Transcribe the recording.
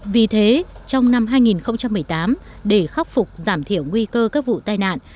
vì thế trong năm hai nghìn một mươi tám để khắc phục giảm thiểu nguy cơ các vụ tai nạn